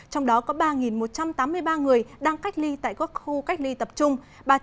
trong đó có ba một trăm tám mươi ba người đang cách ly tại các khu cách ly tập trung